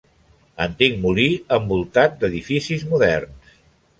Antic molí envoltat d'edificis moderns.